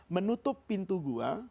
menutup pintu gua